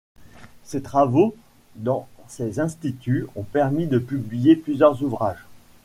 Ses travaux dans ces instituts ont permis de publier plusieurs ouvrages.